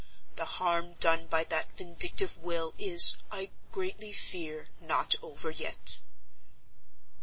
The harm done by that vindictive will is, I greatly fear, not over yet.